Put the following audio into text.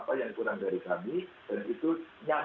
apa yang kurang dari kami dan itu nyaman untuk kita lakukan bersama